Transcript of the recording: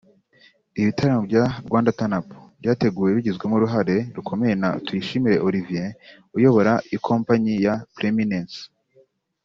Ibitaramo bya ‘Rwanda Turn Up’ byateguwe bigizwemo uruhare rukomeye na Tuyishimire Olivier uyobora ikompanyi ya Preeminence